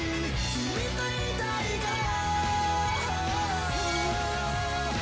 君と居たいから